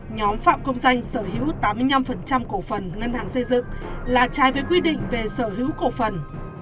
nhóm phạm công danh sở hữu tám mươi năm cổ phần ngân hàng xây dựng là trái với quy định về sở hữu cổ phần